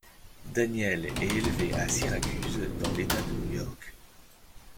Daniel est élevé à Syracuse, dans l'état de New York.